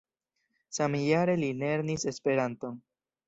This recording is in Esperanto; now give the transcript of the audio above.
Samjare li lernis Esperanton.